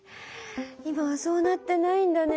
今はそうなってないんだね。